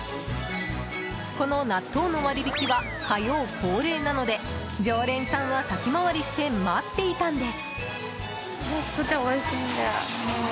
この納豆の割引は火曜恒例なので常連さんは先回りして待っていたんです。